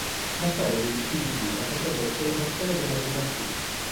La storia degli stili di birra potrebbe essere la storia della birra stessa.